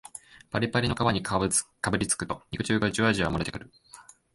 パリパリの皮にかぶりつくと肉汁がジュワジュワもれてくる